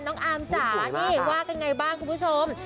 น้องอาร์มจ๋านี่ว่ากันอย่างไรบ้างคุณผู้ชม